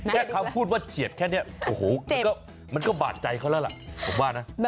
แค่เขาพูดว่าเฉียดแค่นี้โว้โหมันก็บาดใจเค้าแล้วแหละ